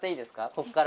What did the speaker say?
ここから。